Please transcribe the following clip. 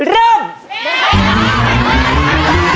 เริ่ม